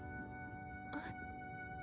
えっ？